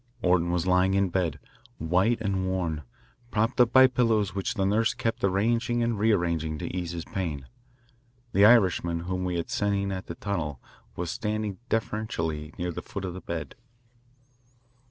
Orton was lying in bed, white and worn, propped up by pillows which the nurse kept arranging and rearranging to ease his pain. The Irishman whom we had seen at the tunnel was standing deferentially near the foot of the bed.